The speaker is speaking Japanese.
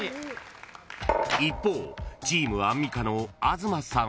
［一方チームアンミカの東さんは］